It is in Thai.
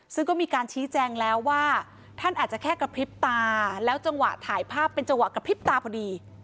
ซึ่งก็มีการชี้แจงแล้วว่าท่านอาจจะแค่กระพริบตาแล้วจังหวะถ่ายภาพเป็นจังหวะกระพริบตาพอดี